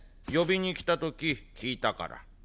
呼びに来た時聞いたから。